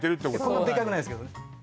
こんなにでっかくないですけどね